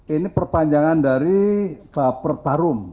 ini perpanjangan dari baper tarum